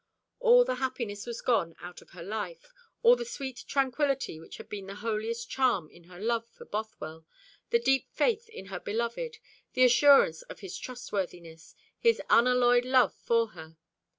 All the happiness was gone out of her life, all the sweet tranquillity which had been the holiest charm in her love for Bothwell, the deep faith in her beloved, the assurance of his trustworthiness, his unalloyed love for her.